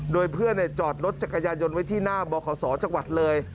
โดยเพื่อนจอดรถจักรยานยนต์ไว้ที่หน้าบขศจังหวัดเลย